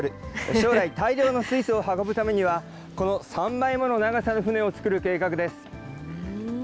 将来、大量の水素を運ぶためには、この３倍もの長さの船を。